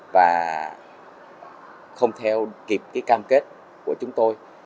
và không theo kịp cam kết của chúng tôi